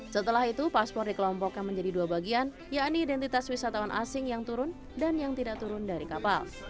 setelah itu paspor dikelompokkan menjadi dua bagian yakni identitas wisatawan asing yang turun dan yang tidak turun dari kapal